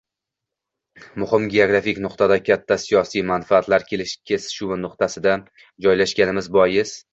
Muhim geografik nuqtada, katta siyosiy manfaatlar kesishuvi nuqtasida joylashganimiz bois